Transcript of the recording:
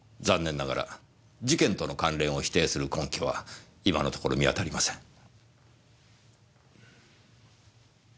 残念ながら事件との関連を否定する根拠は今のところ見当たりません。